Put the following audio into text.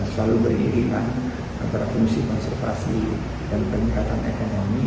selalu beririkan berfungsi konservasi dan peningkatan ekonomi